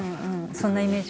そんなイメージがある。